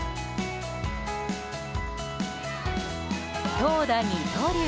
投打二刀流